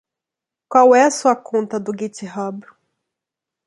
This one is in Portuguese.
Qual é a sua conta do Github?